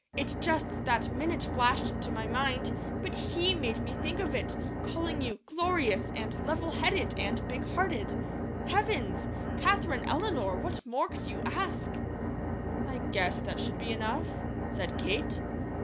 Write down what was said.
It just that minute flashed into my mind; but HE made me think of it, calling you 'glorious,' and 'level headed,' and 'big hearted.' Heavens! Katherine Eleanor, what more could you ask?" "I guess that should be enough," said Kate.